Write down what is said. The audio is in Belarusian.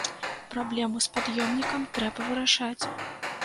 Праблему з пад'ёмнікам трэба вырашаць.